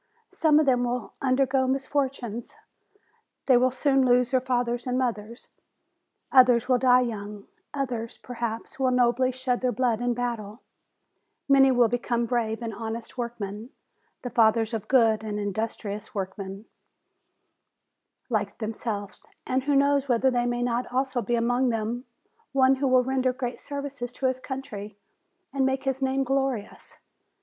Some of them will undergo misfor tunes, they will soon lose their fathers and mothers; others will die young; others, perhaps, will nobly shed their blood in battle; many will become brave and honest workmen, the fathers of good and industrious workmen 339 340 JULY like themselves; and who knows whether there may not also be among them one who will render great services to his country, and make his name glorious.